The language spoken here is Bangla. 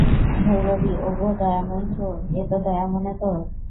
ভৈরবী ওগো দয়াময়ী চোর, এত দয়া মনে তোর!